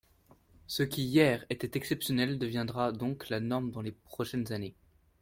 Ce qui, hier, était exceptionnel deviendra donc la norme dans les prochaines années.